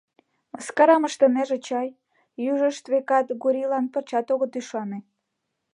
— Мыскарам ыштынеже чай? — южышт, векат, Гурийлан пырчат огыт ӱшане.